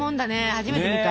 初めて見た。